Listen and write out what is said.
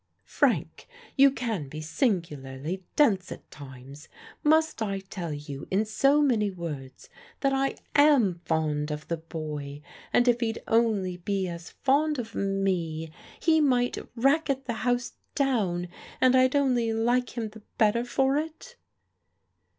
"Frank, you can be singularly dense at times. Must I tell you in so many words that I am fond of the boy, and if he'd be only as fond of me he might racket the house down and I'd only like him the better for it?"